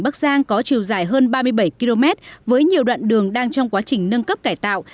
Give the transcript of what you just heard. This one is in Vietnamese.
bắc giang có chiều dài hơn ba mươi bảy km với nhiều đoạn đường đang trong quá trình nâng cấp cải tạo